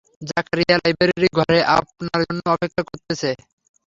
Zakaria library ঘরে আপনার জন্য অপেক্ষা করছেন।